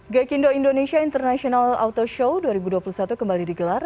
gaikindo indonesia international auto show dua ribu dua puluh satu kembali digelar